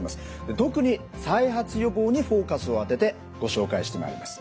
特に再発予防にフォーカスを当ててご紹介してまいります。